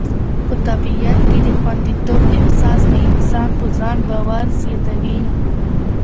په طبیعت کې د خوندیتوب احساس د انسان په ځان باور زیاتوي.